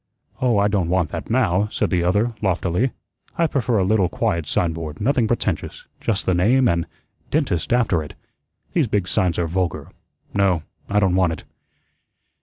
"Oh, I don't want that now," said the other loftily. "I prefer a little quiet signboard, nothing pretentious just the name, and 'Dentist' after it. These big signs are vulgar. No, I don't want it."